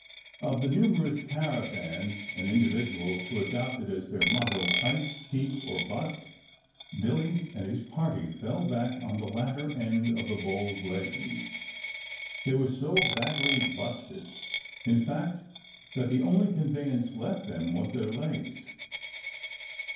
Of the numerous caravans and individuals who adopted as their motto "Pike's Peak or bust," Billy and his party fell back on the latter end of the bold legend. They were so badly "busted" (?), in fact, that the only conveyance left them was their legs.